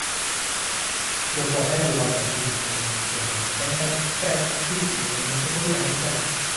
Dopo aver rubato alcuni documenti compromettenti, Fred si rifugia nella metropolitana di Parigi.